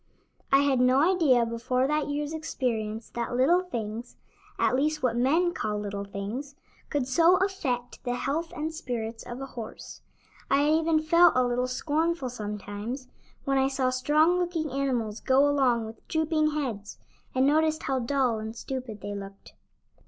I had no idea before that year's experience that little things at least what men call little things could so affect the health and spirits of a horse. I had even felt a little scornful sometimes when I saw strong looking animals go along with drooping heads, and noticed how dull and stupid they looked.